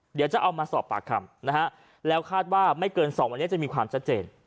เดี๋ยวจะเอามาสอบปากคำนะฮะแล้วคาดว่าไม่เกินสองวันนี้จะมีความชัดเจน